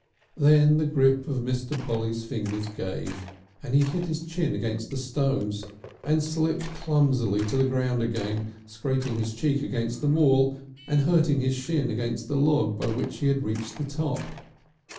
Then the grip of Mr. Polly's fingers gave, and he hit his chin against the stones and slipped clumsily to the ground again, scraping his cheek against the wall and hurting his shin against the log by which he had reached the top.